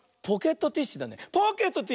ポケットティッシュだね。